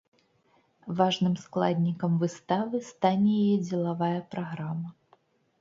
Важным складнікам выставы стане яе дзелавая праграма.